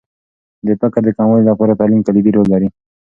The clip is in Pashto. د فقر د کموالي لپاره تعلیم کلیدي رول لري.